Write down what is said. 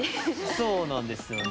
そうなんですよね。